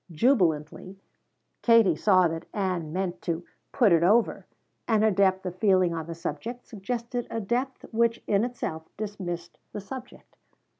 Jubilantly Kate saw that Ann meant to "put it over," and her depth of feeling on the subject suggested a depth which in itself dismissed the subject.